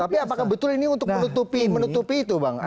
tapi apakah betul ini untuk menutupi itu bang